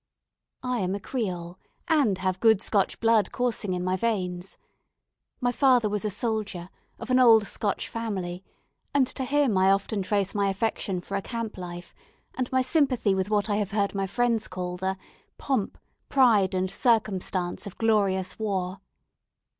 I am a Creole, and have good Scotch blood coursing in my veins. My father was a soldier, of an old Scotch family; and to him I often trace my affection for a camp life, and my sympathy with what I have heard my friends call "the pomp, pride, and circumstance of glorious war."